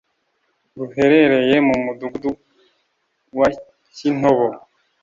ruherereye mu Mudugudu wa Kintobo